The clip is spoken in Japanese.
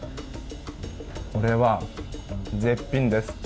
これは、絶品です。